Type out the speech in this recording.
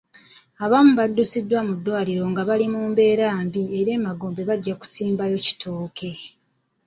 Abamu baddusiddwa mu ddwaliro nga bali mu mbeera mbi era emagombe bajja kusimbayo kitooke.